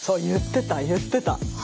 言ってた言ってた。